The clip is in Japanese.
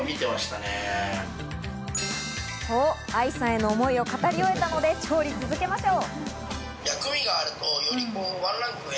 と、愛さんへの思いを語り終えたので調理を続けましょう。